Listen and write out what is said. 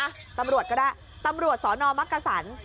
อ่ะตำรวจก็ได้ตำรวจสอนอมกฎศัลดิ์